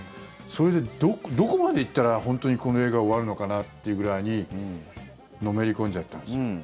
それで、どこまで行ったら本当にこの映画終わるのかなっていうくらいにのめり込んじゃったんです。